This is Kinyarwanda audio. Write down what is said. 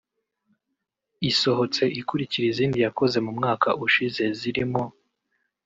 Isohotse ikurikira izindi yakoze mu mwaka ushize zirimo